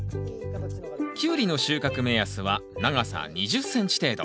キュウリの収穫目安は長さ２０ｃｍ程度。